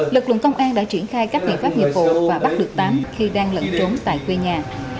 lực lượng công an đã triển khai các biện pháp nghiệp vụ và bắt được tám khi đang lẫn trốn tại quê nhà